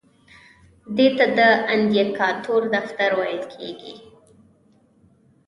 دې ته د اندیکاتور دفتر ویل کیږي.